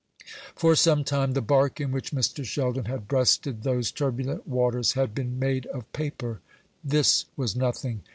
For some time the bark in which Mr. Sheldon had breasted those turbulent waters had been made of paper. This was nothing.